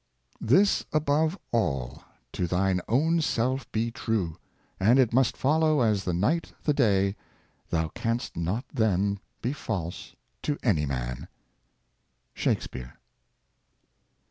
This above all — to thine own self be true ; And it must follow, as the night the day, Thou canst not then be false to any man.'» Shakespeare.